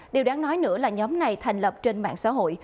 điều đáng nói nữa là nhóm này thành lập trên mạng xã hội